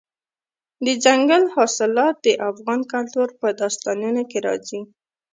دځنګل حاصلات د افغان کلتور په داستانونو کې راځي.